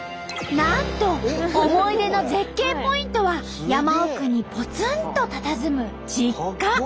なんと思い出の絶景ポイントは山奥にぽつんとたたずむ実家！